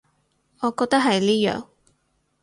我覺得係呢樣